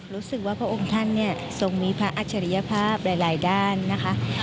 รู้สึกว่าพระองค์ท่านเนี่ยทรงมีพระอัจฉริยภาพหลายด้านนะคะ